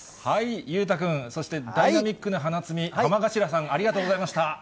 裕太君、そしてダイナミックな花摘み、浜頭さん、ありがとうございました。